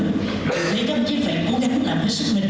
tôi thấy các đồng chí phải cố gắng làm với sức mạnh